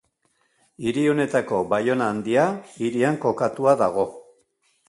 Hiri honetako Baiona Handia hirian kokatua dago.